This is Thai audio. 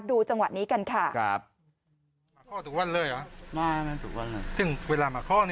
ดูจังหวะนี้กันค่ะ